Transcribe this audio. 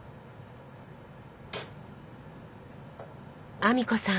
阿美子さん